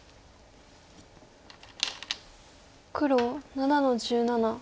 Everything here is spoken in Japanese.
黒７の十七。